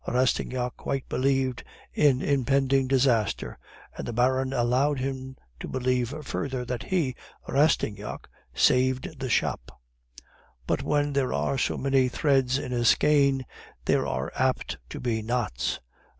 Rastignac quite believed in impending disaster; and the Baron allowed him to believe further that he (Rastignac) saved the shop. "But when there are so many threads in a skein, there are apt to be knots.